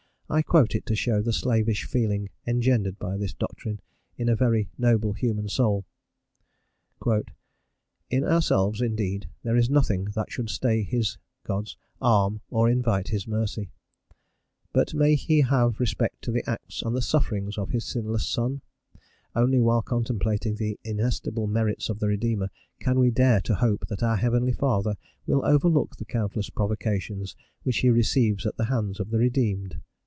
I quote it to show the slavish feeling engendered by this doctrine in a very noble human soul: "In ourselves, indeed, there is nothing that should stay His (God's) arm or invite his mercy. But may he have respect to the acts and the sufferings of his sinless son? Only while contemplating the inestimable merits of the Redeemer can we dare to hope that our heavenly Father will overlook the countless provocations which he receives at the hands of the redeemed."